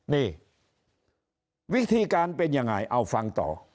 นี่วิธีการเป็นยังไงเอาฟังต่อ